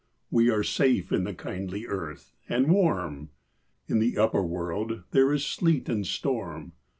We are safe in the kindly earth, and warm— In the upper world there is sleet and storm.